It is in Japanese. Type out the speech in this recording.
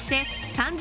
３０